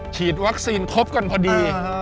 ฉีดวัคซีนครบกันพอดี